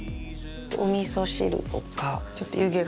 おみそ汁とかちょっと湯気が出てる。